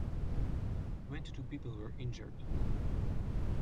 Twenty-two people were injured.